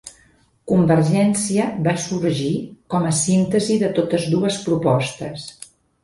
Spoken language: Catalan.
Convergència va sorgir com a síntesi de totes dues propostes.